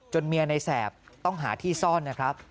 เมียในแสบต้องหาที่ซ่อนนะครับ